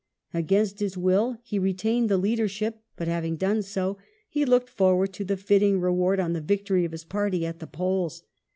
Against his will he re tained the leadership, but having done so, he looked forward to the fitting reward on the victory of his party at the polls.